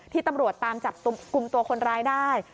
ตำรวจตามจับกลุ่มตัวคนร้ายได้